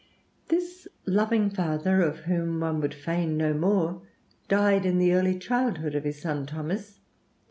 This loving father, of whom one would fain know more, died in the early childhood of his son Thomas.